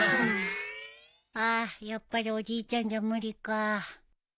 あやっぱりおじいちゃんじゃ無理か。